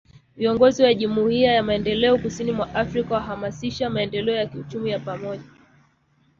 Viongozi wa Jumuiya ya Maendeleo Kusini mwa Afrika wahamasisha maendeleo ya kiuchumi ya pamoja